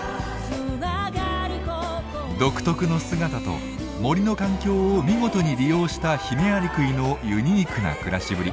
独特の姿と森の環境を見事に利用したヒメアリクイのユニークな暮らしぶり。